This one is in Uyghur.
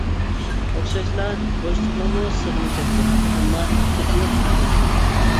ئوخشاشلا، بوشلۇقنىڭمۇ سىغىمى چەكلىك، ئەمما چېتى يوق بولۇشى مۇمكىن.